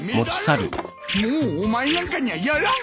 もうお前なんかにゃやらん！